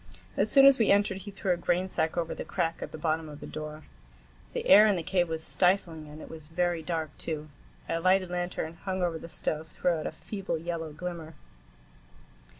As soon as we entered he threw a grainsack over the crack at the bottom of the door. The air in the cave was stifling, and it was very dark, too. A lighted lantern, hung over the stove, threw out a feeble yellow glimmer.